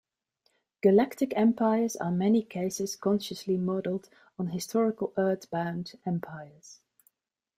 Galactic Empires are many cases consciously modeled on historical Earth-bound empires.